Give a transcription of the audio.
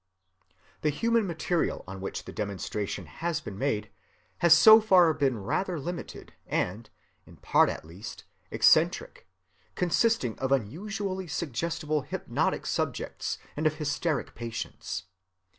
The human material on which the demonstration has been made has so far been rather limited and, in part at least, eccentric, consisting of unusually suggestible hypnotic subjects, and of hysteric patients.